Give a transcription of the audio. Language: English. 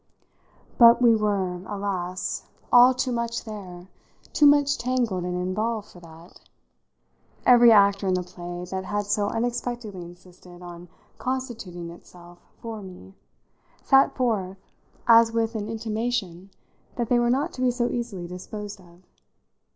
But we were, alas! all too much there, too much tangled and involved for that; every actor in the play that had so unexpectedly insisted on constituting itself for me sat forth as with an intimation that they were not to be so easily disposed of.